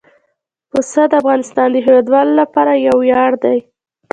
پسه د افغانستان د هیوادوالو لپاره یو ویاړ دی.